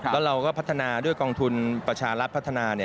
แล้วเราก็พัฒนาด้วยกองทุนประชารัฐพัฒนา